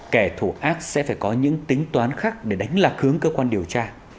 kẻ thủ ác sẽ phải có những tính toán khác để đánh lạc hướng cơ quan điều tra